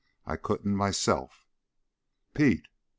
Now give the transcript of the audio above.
I couldn't myself." "Pete!"